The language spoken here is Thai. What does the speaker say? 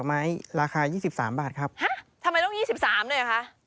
ดอกไม้ราคายี่สิบสามบาทครับฮะทำไมต้องยี่สิบสามเลยเหรอคะ